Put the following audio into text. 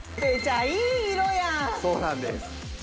そうなんです。